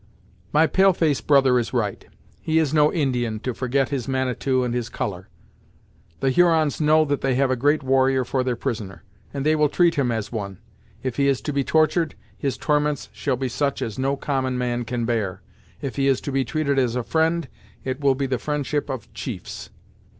"My pale face brother is right; he is no Indian, to forget his Manitou and his colour. The Hurons know that they have a great warrior for their prisoner, and they will treat him as one. If he is to be tortured, his torments shall be such as no common man can bear; if he is to be treated as a friend, it will be the friendship of chiefs."